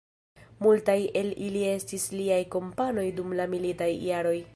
Multaj el ili estis liaj kompanoj dum la militaj jaroj.